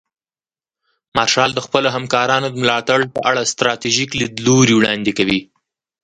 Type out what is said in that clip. مارشال د خپلو همکارانو د ملاتړ په اړه ستراتیژیک لیدلوري وړاندې کوي.